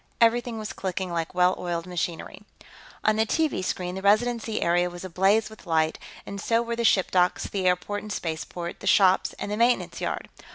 Everything was clicking like well oiled machinery. On the TV screen, the Residency area was ablaze with light, and so were the ship docks, the airport and spaceport, the shops, and the maintenance yard.